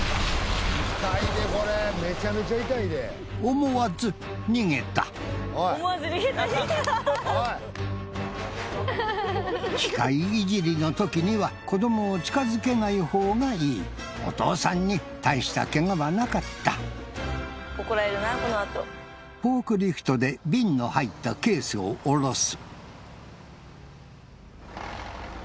思わず逃げた機械いじりの時には子どもを近づけないほうがいいお父さんにたいしたケガはなかったフォークリフトで瓶の入ったケースをおろす